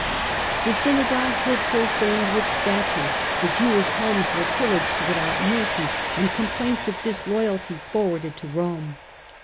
The synagogues were profaned with statues, the Jewish homes were pillaged without mercy, and complaints of disloyalty forwarded to Rome.